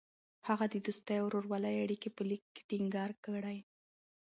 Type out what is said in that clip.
هغه د دوستۍ او ورورولۍ اړیکې په لیک کې ټینګار کړې.